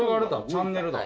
チャンネルだ。